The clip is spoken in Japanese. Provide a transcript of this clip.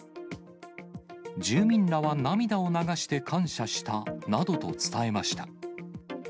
住民らは涙を流して感謝したなどと伝えました。